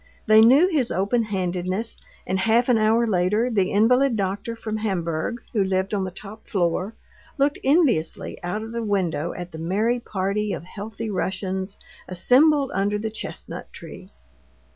They knew his open handedness; and half an hour later the invalid doctor from Hamburg, who lived on the top floor, looked enviously out of the window at the merry party of healthy Russians assembled under the chestnut tree.